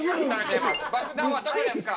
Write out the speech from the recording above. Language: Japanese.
爆弾はどこですか？